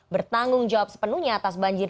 bertanggung jawab sepenuhnya atas banjir